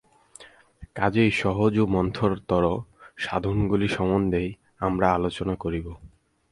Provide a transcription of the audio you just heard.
কাজেই সহজ ও মন্থরতর সাধনগুলি সম্বন্ধেই আমরা আলোচনা করিব।